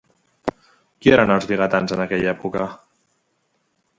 Qui eren els vigatans en aquella època?